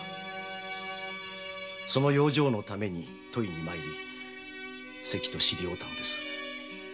その養生のため土肥に参り「せき」と知り合うたのです。